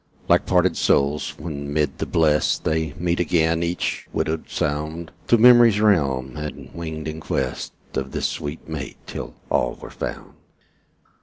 Like parted souls, when, mid the Blest They meet again, each widowed sound Thro' memory's realm had winged in quest Of its sweet mate, till all were found.